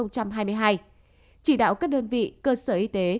chỉ đạo các đơn vị cơ sở y tế